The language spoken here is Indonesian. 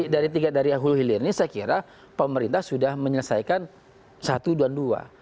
dari tiga dari hulu hilir ini saya kira pemerintah sudah menyelesaikan satu dan dua